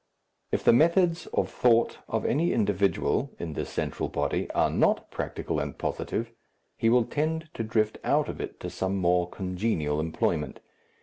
If the methods of thought of any individual in this central body are not practical and positive, he will tend to drift out of it to some more congenial employment.